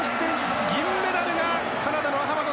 銀メダルが、カナダのアハマド。